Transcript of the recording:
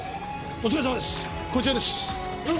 お疲れさまです。